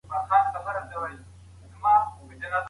بد فکر لاره توره کوي